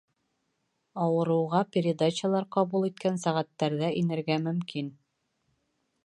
Ауырыуға передачалар ҡабул иткән сәғәттәрҙә инергә мөмкин.